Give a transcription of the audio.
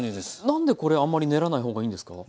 何でこれあんまり練らない方がいいんですか？